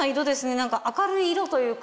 なんか明るい色というか。